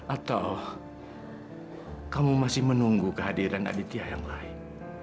atau kamu masih menunggu kehadiran aditya yang lain